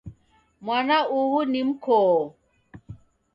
Mwana uhu ni mkoo